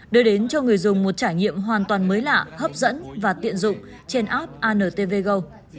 đưa đến cho người dùng một trải nghiệm hoàn toàn mới lạ hấp dẫn và tiện dụng trên app antv go